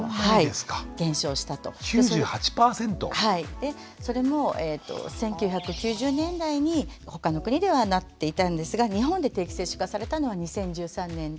でそれも１９９０年代にほかの国ではなっていたんですが日本で定期接種化されたのは２０１３年で。